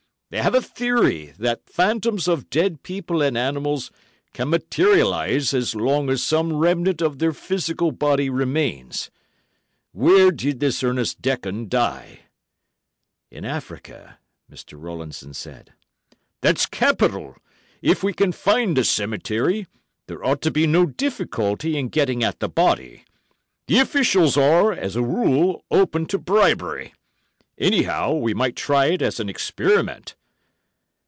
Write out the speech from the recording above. They have a theory that phantoms of dead people and animals can materialise as long as some remnant of their physical body remains. Where did this Ernest Dekon die?" "In Africa," Mr. Rowlandson said. "That's capital! If we can find the cemetery, there ought to be no difficulty in getting at the body. The officials are, as a rule, open to bribery. Anyhow, we might try it as an experiment."